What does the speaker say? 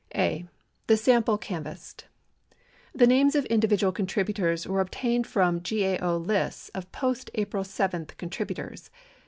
A. The Sample Canvassed The names of individual contributors were obtained from GAO lists of post April 7 contributors.